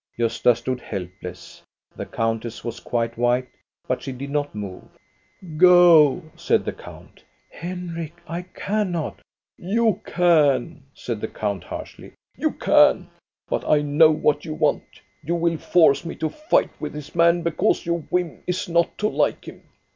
Gosta stood helpless. The countess was quite white; but she did not move. " Go," said the count. " Henrik, I cannot." " You can," said the count, harshly. " You can. But I know what you want. You will force me to fight with this man, because your whim is not to like him.